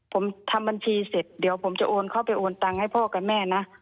ผมทำบัญชีเสร็จเดี๋ยวผมจะโอนเข้าไปโอนตังค์ให้พ่อกับแม่นะ